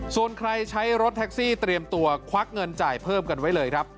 ส่วนใครใช้รถแท็กซี่เตรียมตัวควักเงินจ่ายเพิ่มกันไว้เลยครับ